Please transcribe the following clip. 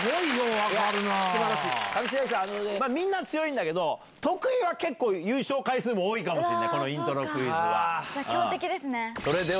上白石さん、あのね、みんな強いんだけど、徳井は結構優勝回数も多いかもしれない、このイントロクイズは。